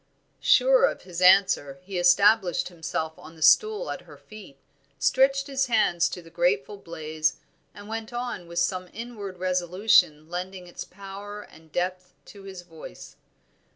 Sure of his answer he established himself on the stool at her feet, stretched his hands to the grateful blaze, and went on with some inward resolution lending its power and depth to his voice.